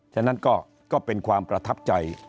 ฉะนั้นก็เป็นความประทับใจ